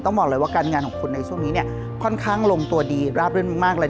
บอกเลยว่าการงานของคุณในช่วงนี้เนี่ยค่อนข้างลงตัวดีราบรื่นมากเลย